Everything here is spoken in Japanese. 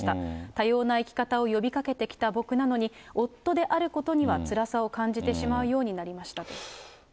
多様な生き方を呼びかけてきた僕なのに、夫であることにはつらさを感じてしまうようになりましたと。